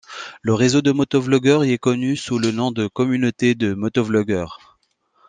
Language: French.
Le réseau de motovlogueurs y est connu sous le nom de communauté de motovlogueurs.